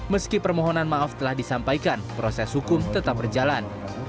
meski permohonan maaf telah disampaikan proses hukum tetap berjalan